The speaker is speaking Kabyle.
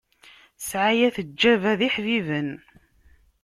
Sɛaya teǧǧaba d iḥbiben.